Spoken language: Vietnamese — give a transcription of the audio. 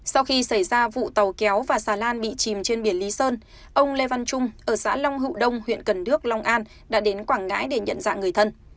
sau khi xảy ra vụ tàu kéo và xà lan bị chìm trên biển lý sơn ông lê văn trung ở xã long hữu đông huyện cần đước long an đã đến quảng ngãi để nhận dạng người thân